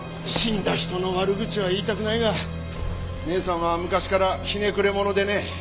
死んだ人の悪口は言いたくないが姉さんは昔からひねくれ者でね。